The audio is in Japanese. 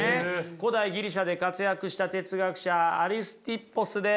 古代ギリシャで活躍した哲学者アリスティッポスです。